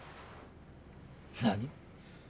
何？